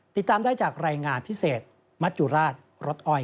ติดตามได้จากรายงานพิเศษมัจจุราชรถอ้อย